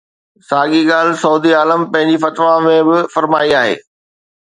ساڳي ڳالهه سعودي عالم پنهنجي فتويٰ ۾ به فرمائي آهي.